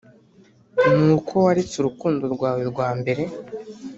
ni uko waretse urukundo rwawe rwa mbere.